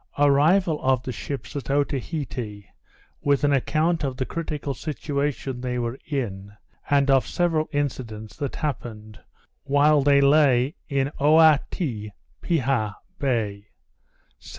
_Arrival of the Ships at Otaheite, with an Account of the critical Situation they were in, and of several Incidents that happened while they lay in Oaiti piha Bay.